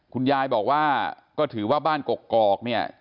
คุณยายบอกว่าก็ถือว่าบ้านกกอกเนี่ย